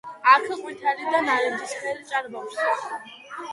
აქ ყვითელი და ნარინჯისფერი ჭარბობს.